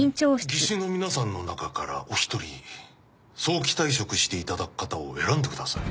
技師の皆さんの中からお一人早期退職していただく方を選んでください